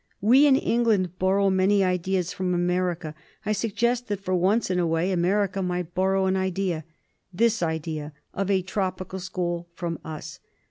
We in England borrow many ideas from America; I suggest that, for once in a way, America might borrow an idea — this idea of a tropical school — from us.